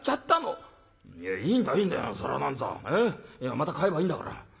また買えばいいんだから。